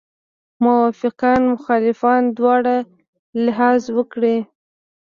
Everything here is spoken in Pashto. موافقان مخالفان دواړه لحاظ وکړي.